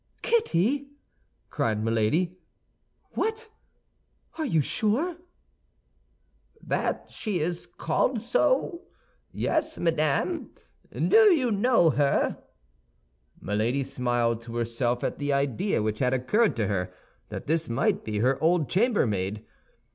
"Kitty!" cried Milady. "What? Are you sure?" "That she is called so? Yes, madame. Do you know her?" Milady smiled to herself at the idea which had occurred to her that this might be her old chambermaid.